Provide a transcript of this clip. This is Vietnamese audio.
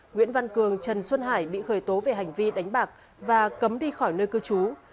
nguyễn văn cường trần xuân hải bị khởi tố về hành vi đánh bạc và cấm đi khỏi nơi cư trú